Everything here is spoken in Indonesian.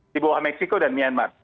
di bawah meksiko dan myanmar